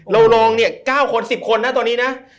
รองเนี่ย๙คน๑๐คนนะตอนนี้นะ